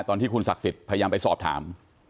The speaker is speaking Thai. ตอนที่คุณศักดิ์สิทธิ์พยายามไปสอบถาม